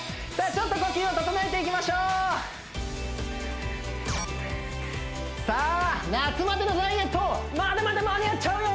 ちょっと呼吸を整えていきましょうさあ夏までのダイエットまだまだ間に合っちゃうよ！ＯＫ！